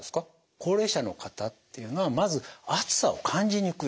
高齢者の方っていうのはまず暑さを感じにくい。